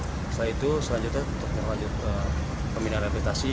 setelah itu selanjutnya untuk menelanjutkan peminat rehabilitasi